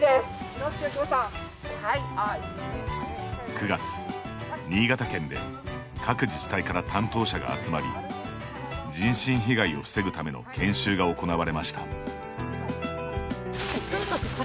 ９月、新潟県で各自治体から担当者が集まり人身被害を防ぐための研修が行なわれました。